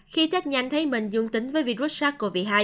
khi test nhanh thấy mình dương tính với virus sars cov hai